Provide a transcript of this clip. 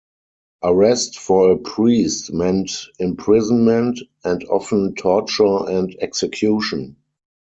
Arrest for a priest meant imprisonment, and often torture and execution.